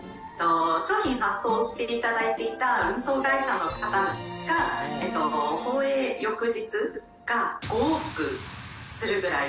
商品発送していただいていた運送会社の方が放映翌日、５往復するぐらい。